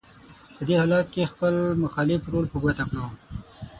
په دې حالت کې خپل مخالف رول په ګوته کړو: